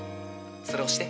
それ押して。